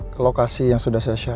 ke lokasi yang sudah saya share